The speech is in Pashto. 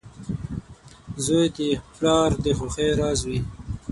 • زوی د پلار د خوښۍ راز وي.